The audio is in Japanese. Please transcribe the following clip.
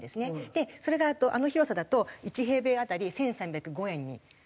でそれがあの広さだと１平米当たり１３０５円になるんです。